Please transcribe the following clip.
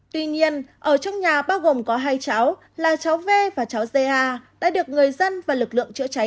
tuy nhiên ở trong nhà bao gồm có hai cháu là cháu v và cháu da đã được người dân và lực lượng chữa cháy